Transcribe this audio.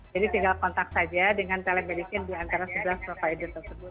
jadi tinggal kontak saja dengan telemedicine diantara sebelas provider tersebut